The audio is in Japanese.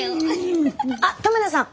あっ留田さん！